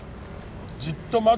じっと待つ。